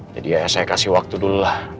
ya saya kasih waktu dulu lah